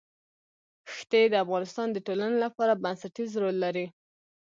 ښتې د افغانستان د ټولنې لپاره بنسټيز رول لري.